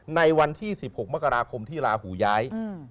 ในวันที่๑๖มกราคมที่ราหูย้าย